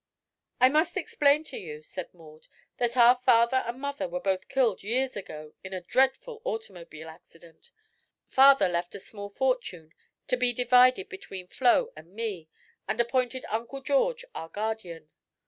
"I must explain to you," said Maud, "that our father and mother were both killed years ago in a dreadful automobile accident. Father left a small fortune to be divided between Flo and me, and appointed Uncle George our guardian.